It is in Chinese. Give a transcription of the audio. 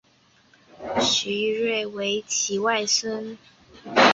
许育瑞为其外孙。